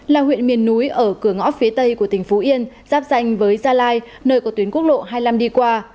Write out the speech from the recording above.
là huyện miền núi ở cửa ngõ phía tây của tỉnh phú yên giáp danh với gia lai nơi có tuyến quốc lộ hai mươi năm đi qua